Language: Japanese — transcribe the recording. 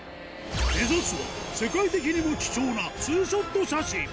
目指すは世界的にも貴重な２ショット写真。